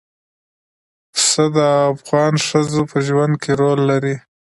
پسه د افغان ښځو په ژوند کې رول لري.